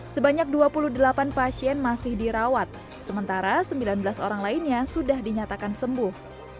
sebanyak dua puluh delapan pasien masih dirawat sementara sembilan belas orang lainnya sudah dinyatakan sembuh